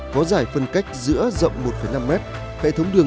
có giải phân cách giữa rộng một năm m